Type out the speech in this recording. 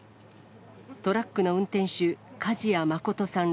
トラックの運転手、梶谷誠さん